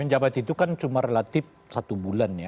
penjabat itu kan cuma relatif satu bulan ya